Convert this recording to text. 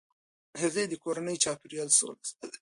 هغې د کورني چاپیریال سوله ساتي.